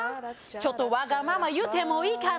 ちょっとワガママ言ってもいいかな？